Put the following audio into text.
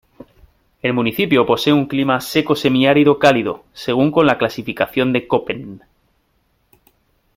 El municipio posee un clima seco semiárido cálido según con la clasificación de Köppen.